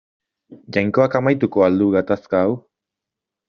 Jainkoak amaituko al du gatazka hau.